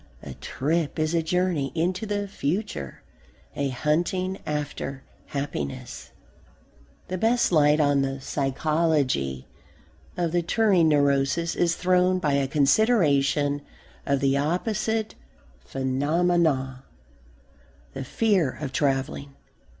A trip is a journey into the future, a hunting after happiness. The best light on the psychology of the "touring neurosis" is thrown by a consideration of the opposite phenomenon the "fear of travelling."